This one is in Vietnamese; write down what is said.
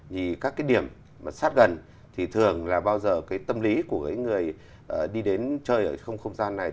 thì các điểm sát gần thì thường là bao giờ tâm lý của người đi đến chơi ở không gian này